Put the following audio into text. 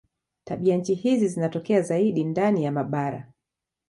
Tabianchi hizi zinatokea zaidi ndani ya mabara.